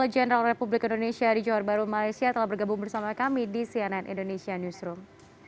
jenderal republik indonesia di johor baru malaysia telah bergabung bersama kami di cnn indonesia newsroom